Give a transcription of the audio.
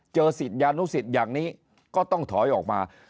เจอสิทธิ์ยานุสิทธิ์อย่างนี้ก็ต้องถอยออกมา